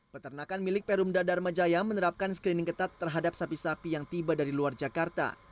peternakan milik perumda dharma jaya menerapkan screening ketat terhadap sapi sapi yang tiba dari luar jakarta